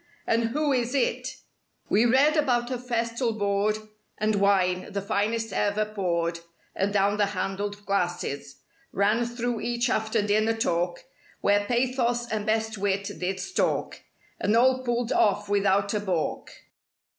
and "Who is IT?" 143 We read about a festal board, And wine—the finest ever poured Adown the handled glasses. Ran through each after dinner talk, Where pathos and best wit did stalk; And all pulled off without a balk.